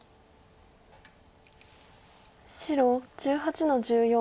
白１８の十四。